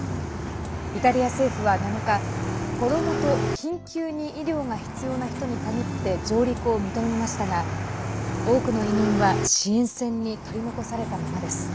イタリア政府は７日、子どもと緊急に医療が必要な人に限って上陸を認めましたが多くの移民は支援船に取り残されたままです。